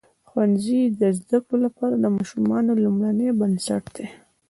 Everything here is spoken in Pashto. ښوونځی د زده کړو لپاره د ماشومانو لومړنۍ بنسټ دی.